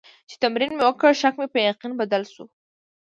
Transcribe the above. چې تمرین مې وکړ، شک مې په یقین بدل شو.